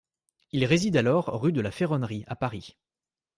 Il réside alors rue de la Ferronnerie à Paris.